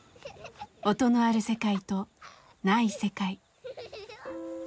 音のある世界とない世界。